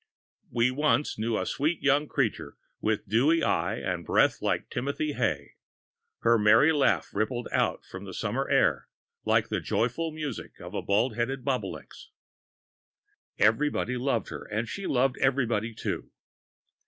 We once knew a sweet young creature, with dewy eye and breath like timothy hay. Her merry laugh rippled out upon the summer air like the joyful music of baldheaded bobolinks. Everybody loved her, and she loved everybody too.